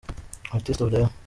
Artist of the year.